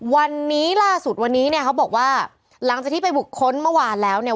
วันนี้ล่าสุดวันนี้เนี่ยเขาบอกว่าหลังจากที่ไปบุคคลเมื่อวานแล้วเนี่ย